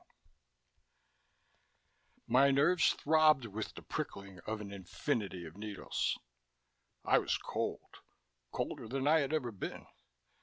XVII My nerves throbbed with the prickling of an infinity of needles. I was cold colder than I had ever been.